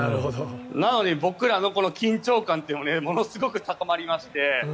なので、僕らの緊張感というのもものすごく高まりまして。